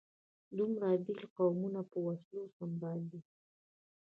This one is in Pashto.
دومره بېل قومونه په وسلو سمبال دي.